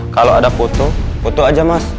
kalau ada foto foto aja mas